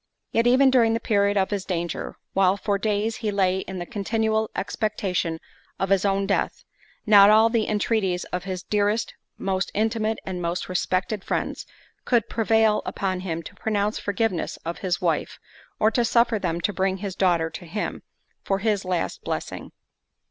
Yet even during the period of his danger, while for days he lay in the continual expectation of his own death, not all the entreaties of his dearest, most intimate, and most respected friends, could prevail upon him to pronounce forgiveness of his wife, or to suffer them to bring his daughter to him, for his last blessing.